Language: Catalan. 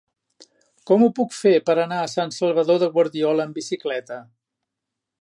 Com ho puc fer per anar a Sant Salvador de Guardiola amb bicicleta?